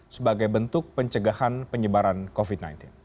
sebagai bentuk pencegahan penyebaran covid sembilan belas